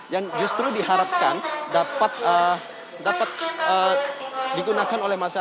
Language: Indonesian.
yang justru diharapkan dapat digunakan oleh masyarakat